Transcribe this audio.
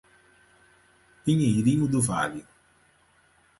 Pinheirinho do Vale